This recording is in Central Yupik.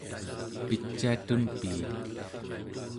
piciatun pii!